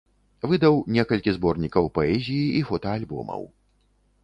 Выдаў некалькі зборнікаў паэзіі і фотаальбомаў.